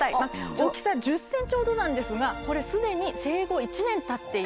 大きさ１０ｃｍほどなんですがこれすでに生後１年たっているそうなんです。